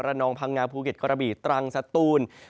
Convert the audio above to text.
นองพังงาภูเก็ตกระบีตรังสตูน